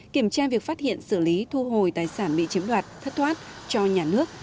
kiểm tra việc phát hiện xử lý thu hồi tài sản bị chiếm đoạt thất thoát cho nhà nước